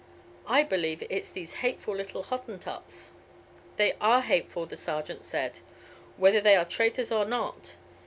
I believe it's these hateful little Hottentots." "They are hateful," the sergeant said, "whether they are traitors or not.